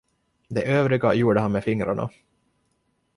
Det övriga gjorde han med fingrarna.